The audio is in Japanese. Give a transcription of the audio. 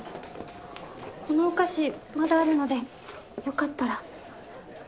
このお菓子まだあるのでよかったら。